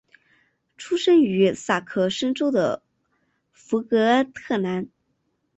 出生于萨克森州的福格特兰。